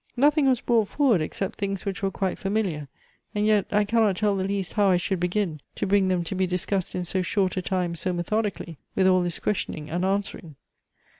Nothing was brought forward except things which were quite familiar, and yet I cannot tell the least how I should begin, to bring them to be discussed in so short a time so methodically, with all this questioning and answering."